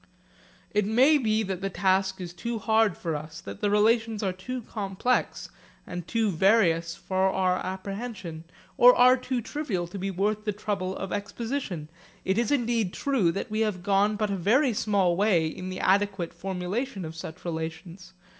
It may be that the task is too hard for us, that the relations are too complex and too various for our apprehension, or are too trivial to be worth the trouble of exposition. It is indeed true that we have gone but a very small way in the adequate formulation of such relations.